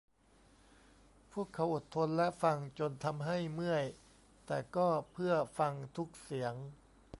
พวกเขาอดทนและฟัง จนทำให้เมื่อยแต่ก็เพื่อฟังทุกเสียง